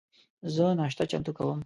زه ناشته چمتو کوم